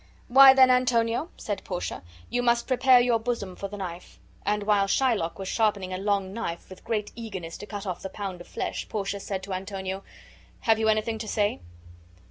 "Why, then, Antonio," said Portia, "you must prepare your bosom for the knife." And while Shylock was sharpening a long knife with great eagerness to cut off the pound of flesh, Portia said to Antonio, "Have you anything to say?"